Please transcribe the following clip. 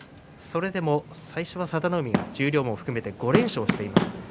それでも最初、佐田の海が十両も含めて５連勝していました。